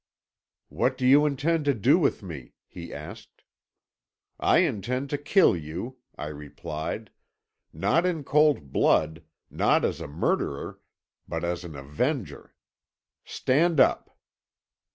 "'What do you intend to do with me?' he asked. "'I intend to kill you,' I replied; 'not in cold blood not as a murderer, but as an avenger. Stand up.'